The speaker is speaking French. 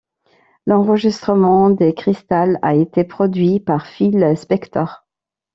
L'enregistrement des Crystals a été produit par Phil Spector.